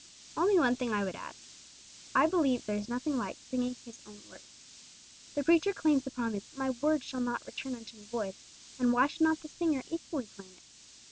Only one thing I would add: I believe there is nothing like singing His own words. The preacher claims the promise, 'My word shall not return unto Me void,' and why should not the singer equally claim it?